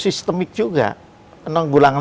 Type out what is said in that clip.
sistemik juga penanggulangan